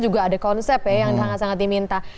juga ada konsep ya yang sangat sangat diminta